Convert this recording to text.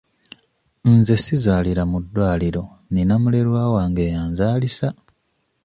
Nze sizaalira mu ddwaliro nina mulerwa wange y'anzaalisa.